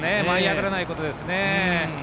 舞い上がらないことですね。